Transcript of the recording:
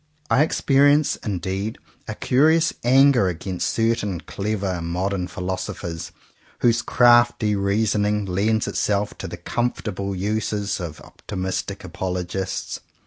I experience indeed a curious anger against certain clever modern philosophers whose crafty reasoning lends itself to the comfortable uses of optimistic apologists.